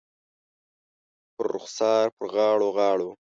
پر رخسار، پر غاړو ، غاړو